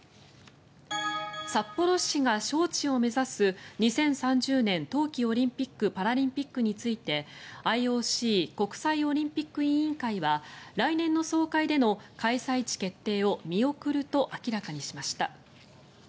札幌市が招致を目指す２０３０年冬季オリンピック・パラリンピックについてＩＯＣ・国際オリンピック委員会は来年の総会での開催地決定を見送ると明らかにしました。